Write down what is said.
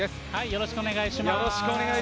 よろしくお願いします。